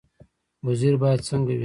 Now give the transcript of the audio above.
وزیر باید څنګه وي؟